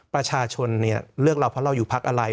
ประชาชนเลือกเราเพราะเราอยู่พักอะไร